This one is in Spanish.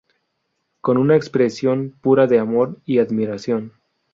Con una expresión pura de amor y admiración.